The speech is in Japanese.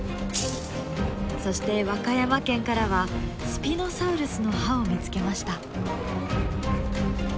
そして和歌山県からはスピノサウルスの歯を見つけました。